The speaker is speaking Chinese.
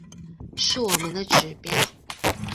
是我们的指标